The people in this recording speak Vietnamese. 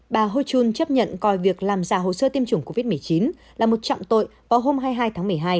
bà houchun chấp nhận coi việc làm giả hồ sơ tiêm chủng covid một mươi chín là một trọng tội vào hôm hai mươi hai tháng một mươi hai